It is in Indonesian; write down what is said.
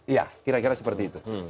iya kira kira seperti itu